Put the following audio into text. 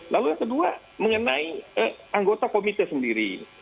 lalu yang kedua mengenai anggota komite sendiri